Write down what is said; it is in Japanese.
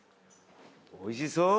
おいしそう。